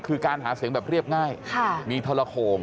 คือการหาเสริมเรียบง่ายมีทะละโข่ม